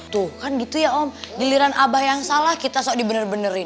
tuh kan gitu ya om giliran abah yang salah kita sok dibener benerin